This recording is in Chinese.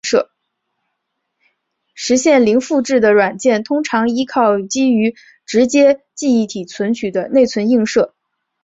实现零复制的软件通常依靠基于直接记忆体存取的内存映射。